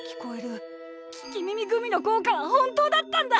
聞き耳グミの効果は本当だったんだ！